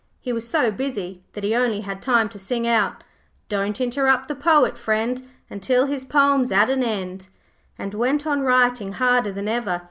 He was so busy that he only had time to sing out 'Don't interrupt the poet, friend, Until his poem's at an end.' and went on writing harder than ever.